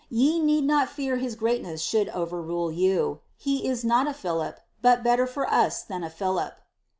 Ye need not fear his greatness should overrule you. He is oat a Philip, but better for us than a Philip.'''